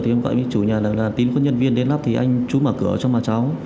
thì em gọi với chủ nhà là tính có nhân viên đến lắp thì anh chú mở cửa cho mà cháu